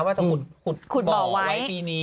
ว่าจะขุดบ่อไว้ปีนี้